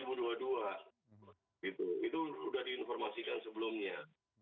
itu sudah diinformasikan sebelumnya